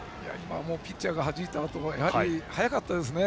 ピッチャーがはじいたあと速かったですね。